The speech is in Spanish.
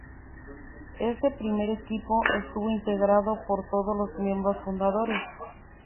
Ese primer equipo, estuvo integrado por todos los miembros fundadores.